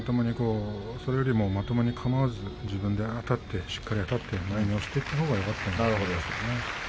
それよりもまともにかまわず自分でしっかりあたって前に出ていくほうがよかったと思いますね。